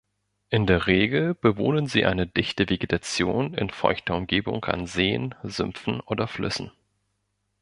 In der Regel bewohnen sie eine dichte Vegetation in feuchter Umgebung an Seen, Sümpfen oder Flüssen.